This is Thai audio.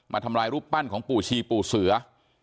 ทำลายรูปปั้นของปู่ชีปู่เสือ